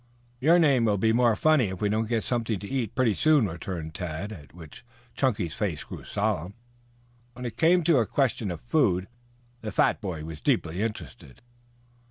"Your name will be more funny if we don't get something to eat pretty soon," returned Tad, at which Chunky's face grew solemn. When it came to a question of food, the fat boy was deeply interested.